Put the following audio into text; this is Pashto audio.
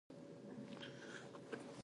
زه هره ورځ سهار په تشه غاړه اوبه څښم.